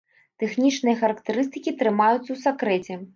Тэхнічныя характарыстыкі трымаюцца ў сакрэце.